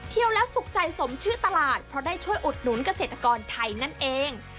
แล้วสุขใจสมชื่อตลาดเพราะได้ช่วยอุดหนุนเกษตรกรไทยนั่นเอง